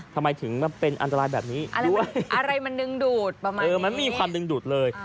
ทำไมถึงเป็นอันตรายแบบนี้อะไรมันดึงดูดประมาณเออมันไม่มีความดึงดูดเลย